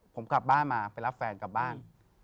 ผมกลับบ้านมาไปรับแฟนกลับบ้าน